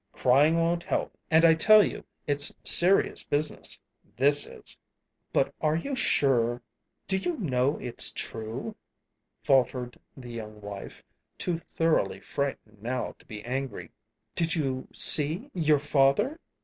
Crying won't help; and I tell you it's serious business this is." "But are you sure do you know it's true?" faltered the young wife, too thoroughly frightened now to be angry. "Did you see your father?"